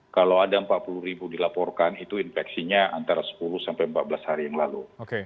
kalau ada empat puluh ribu dilaporkan itu infeksinya antara sepuluh sampai empat belas hari yang lalu